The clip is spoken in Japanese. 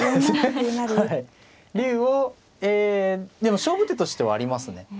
えでも勝負手としてはありますね。